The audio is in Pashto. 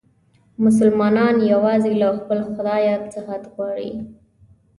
مسلمانان یووازې له خپل خدایه صحت غواړي.